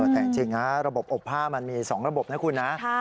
แต่จริงระบบอบผ้ามันมี๒ระบบนะคุณนะ